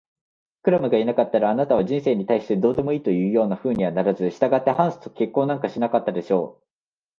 クラムがいなかったら、あなたは人生に対してどうでもいいというようなふうにはならず、したがってハンスと結婚なんかしなかったでしょう。